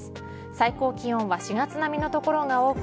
最高気温は４月並みの所が多く